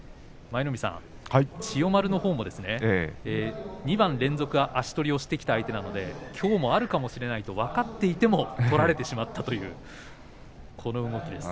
千代丸も２番連続の足取りをしてきた相手なのできょうもあるかもしれないと分かっていても取られてしまったというこの動きです。